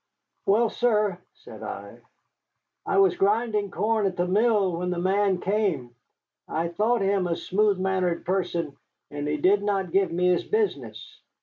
"Well, sir," said I, "I was grinding corn at the mill when the man came. I thought him a smooth mannered person, and he did not give his business.